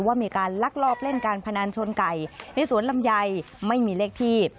ว่ามีการลักลอบเล่นการพนันชนไก่ในสวนลำไยไม่มีเลขที่